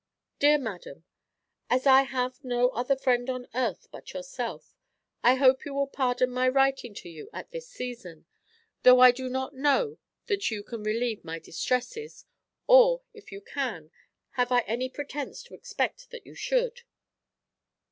"DEAR MADAM, "As I have no other friend on earth but yourself, I hope you will pardon my writing to you at this season; though I do not know that you can relieve my distresses, or, if you can, have I any pretence to expect that you should.